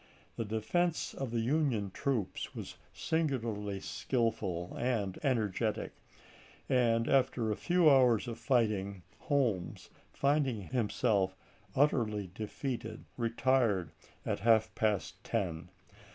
The defense of the Union troops was singularly skillful and energetic, and after a few hours of fighting, Holmes, finding him self utterly defeated, retired at half past ten.